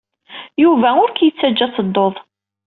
Yuba ur k-yettajja ad tedduḍ.